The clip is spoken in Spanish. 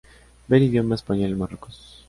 Ver Idioma español en Marruecos